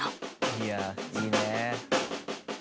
いやいいね。